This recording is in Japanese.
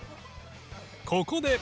ここで！